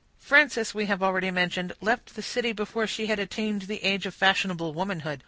Frances, we have already mentioned, left the city before she had attained to the age of fashionable womanhood.